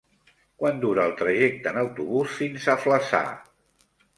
Quant dura el trajecte en autobús fins a Flaçà?